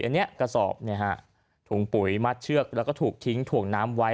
อันนี้กระสอบถุงปุ๋ยมัดเชือกแล้วก็ถูกทิ้งถ่วงน้ำไว้